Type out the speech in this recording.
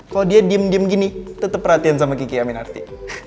kalau dia diem diem gini tetap perhatian sama kiki aminarti